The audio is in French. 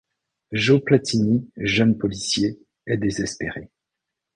Joe Platini, jeune policier, est désespéré.